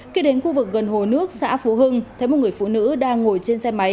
khi đến khu vực gần hồ nước xã phú hưng thấy một người phụ nữ đang ngồi trên xe máy